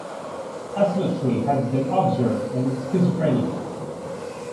Asymmetry has been observed in schizophrenia.